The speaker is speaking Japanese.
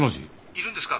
☎いるんですか？